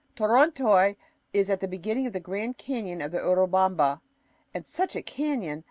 Torontoy is at the beginning of the Grand Canyon of the Urubamba, and such a canyon!